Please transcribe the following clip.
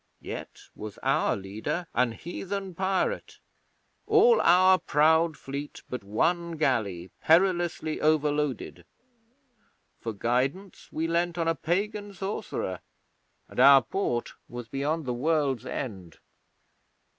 Yet was our leader an heathen pirate; all our proud fleet but one galley perilously overloaded; for guidance we leaned on a pagan sorcerer; and our port was beyond the world's end.